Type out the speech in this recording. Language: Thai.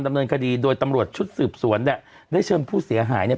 ดำเนินคดีโดยตำรวจชุดสืบสวนเนี่ยได้เชิญผู้เสียหายเนี่ย